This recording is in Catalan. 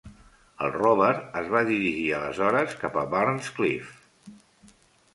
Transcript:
El rover es va dirigir aleshores cap a Burns Cliff.